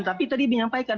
tapi tadi menyampaikan